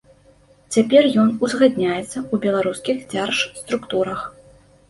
Цяпер ён узгадняецца ў беларускіх дзяржструктурах.